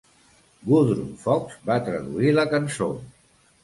Gudrun Fox va traduir la cançó.